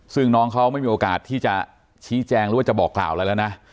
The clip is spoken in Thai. ซึ่งน้องเขาไม่มีโอกาสที่จะชี้แจงหรือว่าจะบอกกล่าวอะไรแล้วนะ